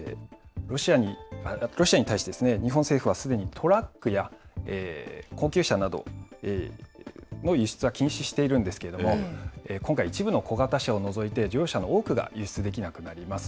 ロシアに対して、日本政府はすでにトラックや高級車などの輸出は禁止しているんですけれども、今回、一部の小型車を除いて、乗用車の多くが輸出できなくなります。